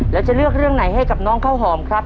แล้วจะเลือกเรื่องไหนให้กับน้องข้าวหอมครับ